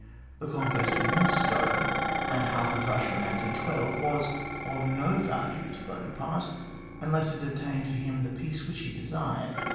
The conquest of Moscow, and of half Hussia in 1812, was of no value to Buonaparte unless it obtained for him the peace which he desired.